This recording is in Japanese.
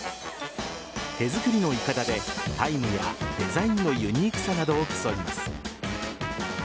手作りのいかだでタイムやデザインのユニークさなどを競います。